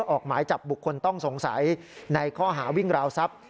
ออกหมายจับบุคคลต้องสงสัยในข้อหาวิ่งราวทรัพย์